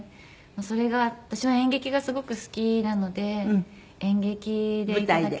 私は演劇がすごく好きなので演劇で。